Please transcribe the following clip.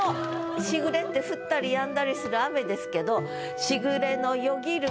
時雨って降ったり止んだりする雨ですけど「時雨の過ぎる」。